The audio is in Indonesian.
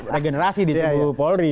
regenerasi di teguh polri